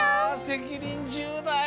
せきにんじゅうだい。